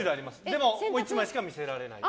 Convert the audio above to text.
でももう１枚しか見せられない。